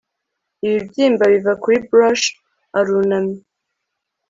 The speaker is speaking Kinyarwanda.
ibibyimba biva kuri brush arunamye